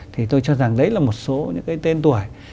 thì tôi cho rằng đấy là một số những cái tên tuổi